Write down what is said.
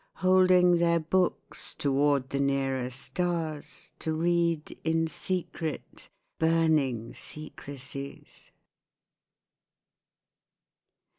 Holding their books toward the nearer stars. To read, in secret, burning secrecies